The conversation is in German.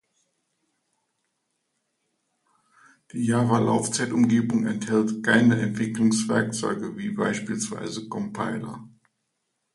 Die Java-Laufzeitumgebung enthält keine Entwicklungswerkzeuge, wie beispielsweise Compiler.